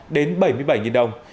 đến bảy mươi bảy đồng